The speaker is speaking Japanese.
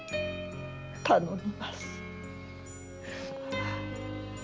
頼みます。